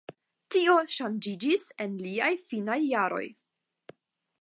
Tio ŝanĝiĝis en liaj finaj jaroj.